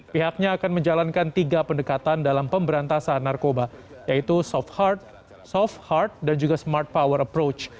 pihaknya akan menjalankan tiga pendekatan dalam pemberantasan narkoba yaitu soft heart soft heart dan juga smart power approach